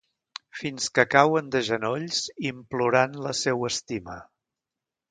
Fins que cauen de genolls implorant la seua estima.